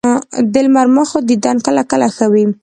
د لمر مخو دیدن کله کله ښه وي